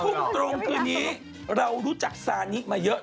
ทุ่มตรงคืนนี้เรารู้จักซานิมาเยอะ